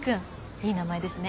いい名前ですね。